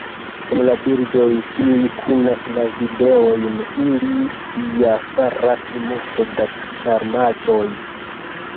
En la bildoj, kiuj kunas la videojn, ili ja faras multe da ĉarmaĵoj.